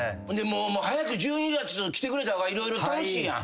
早く１２月来てくれた方が色々楽しいやん。